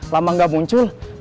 lama gak muncul